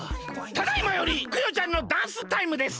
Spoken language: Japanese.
ただいまよりクヨちゃんのダンスタイムです！